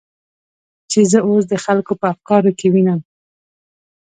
چې زه اوس د خلکو په افکارو کې وینم.